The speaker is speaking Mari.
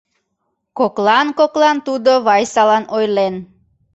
Коклан-коклан тудо Вайсалан ойлен: